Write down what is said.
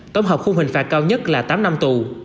tổng hợp khung hình phạt cao nhất là tám năm tù